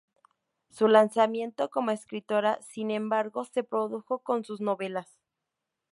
Su lanzamiento como escritora, sin embargo, se produjo con sus novelas.